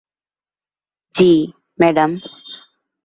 জ্বী, ম্যাডাম।